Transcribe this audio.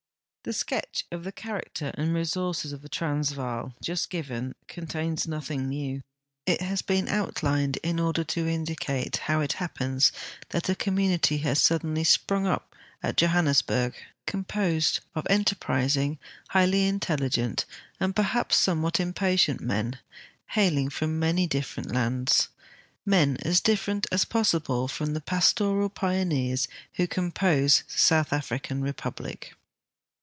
The sketch of the character and resources of the Transvaal just given contains nothing new. It has been outlined in order to indicate hoAV ithai>[)ens that a community has suddenly si)rung 352 THE WITWATERSRAXD AND up at Johannesburg, composed of enterprising, highl}" intelli gent, and perhaps somewhat impatient men, hailing from many different lands — men as different as possible from the pastoral pioneers who com})Ose the South African Republic.